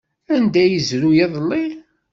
Anda ay yezrew iḍelli?